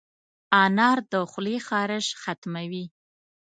انار د خولې خارش ختموي.